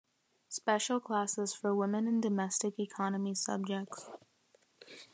Special classes for Women in Domestic Economy subjects.